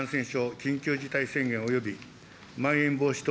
緊急事態宣言およびまん延防止等